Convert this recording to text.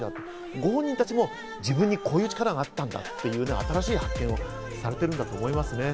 ご本人たちも自分たちにこういう力があったんだっていう大きな発見をされていると思います。